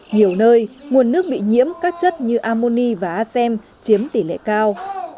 nhiều nơi nguồn nước bị nhiễm các chất như ammoni và azem chiếm tỷ lệ cao